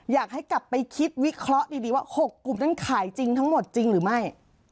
อยากให้กลับไปคิดวิเคราะห์ดีว่า๖กลุ่มนั้นขายจริงทั้งหมดจริงหรือไม่